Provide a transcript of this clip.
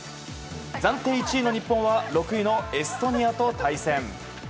暫定１位の日本は６位のエストニアと対戦。